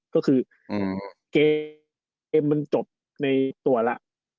ก็คือเกมมันจบในตัวแล้ว